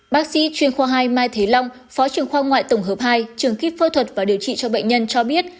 bác sĩ chuyên khoa hai mai thế long phó trưởng khoa ngoại tổng hợp hai trường kíp phẫu thuật và điều trị cho bệnh nhân cho biết